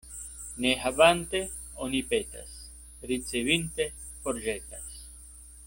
Ne havante, oni petas; ricevinte, forĵetas.